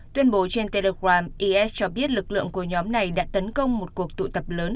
tuyên bố trên telegram is cho biết lực lượng của nhóm này đã tấn công một cuộc tụ tập lớn